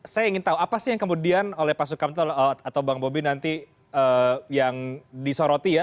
saya ingin tahu apa sih yang kemudian oleh pak sukamto atau bang bobi nanti yang disoroti ya